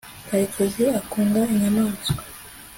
karekezi akunda inyamaswa